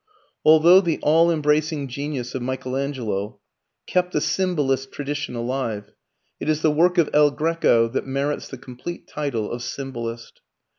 Although the all embracing genius of Michelangelo kept the "Symbolist" tradition alive, it is the work of El Greco that merits the complete title of "Symbolist."